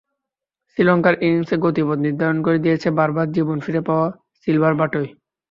শ্রীলঙ্কার ইনিংসের গতিপথ নির্ধারণ করে দিয়েছে বারবার জীবন ফিরে পাওয়া সিলভার ব্যাটই।